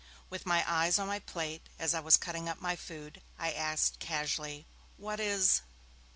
With my eyes on my plate, as I was cutting up my food, I asked, casually, 'What is